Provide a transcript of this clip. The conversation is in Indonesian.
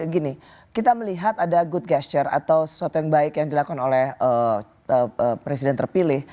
gini kita melihat ada good gesture atau sesuatu yang baik yang dilakukan oleh presiden terpilih